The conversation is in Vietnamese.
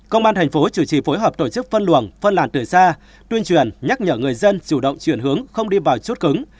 công an thành phố chủ trì phối hợp tổ chức phân luồng phân làn từ xa tuyên truyền nhắc nhở người dân chủ động chuyển hướng không đi vào chốt cứng